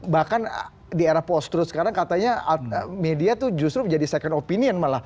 bahkan di era post truth sekarang katanya media tuh justru menjadi second opinion malah